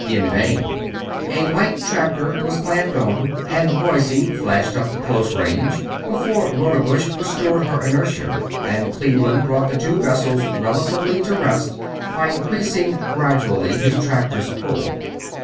In vain. A light tractor was clamped on and the Boise flashed up to close range before Rodebush restored her inertia and Cleveland brought the two vessels relatively to rest by increasing gradually his tractor's pull.